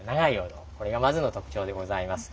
これがまずの特徴でございます。